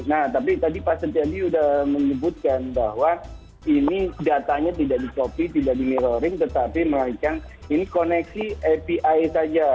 nah tapi tadi pak setiadi sudah menyebutkan bahwa ini datanya tidak di copy tidak di mirroring tetapi melainkan ini koneksi api saja